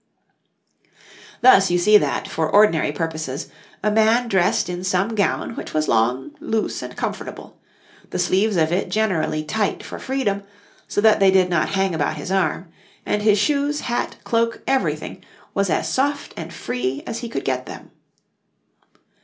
Thus you see that, for ordinary purposes, a man dressed in some gown which was long, loose, and comfortable, the sleeves of it generally tight for freedom, so that they did not hang about his arm, and his shoes, hat, cloak, everything, was as soft and free as he could get them.